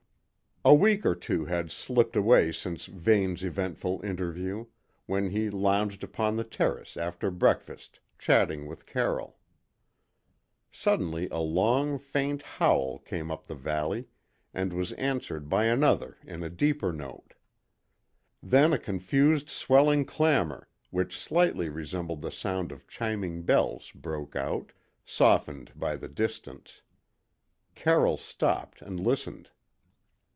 A week or two had slipped away since Vane's eventful interview, when he lounged upon the terrace after breakfast chatting with Carroll. Suddenly a long, faint howl came up the valley, and was answered by another in a deeper note. Then a confused swelling clamour, which slightly resembled the sound of chiming bells, broke out, softened by the distance. Carroll stopped and listened.